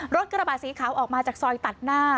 รถกระบะสีขาวออกมาจากซอยตัดหน้า